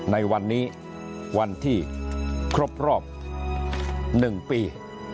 ในวันนี้วันที่ครบรอบ๑ปี